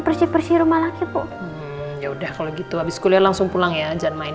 bersih bersih rumah lagi kok yaudah kalau gitu habis kuliah langsung pulang ya jangan main